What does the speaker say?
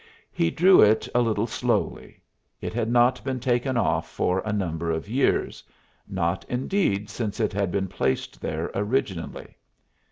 He drew it a little slowly. It had not been taken off for a number of years not, indeed, since it had been placed there originally.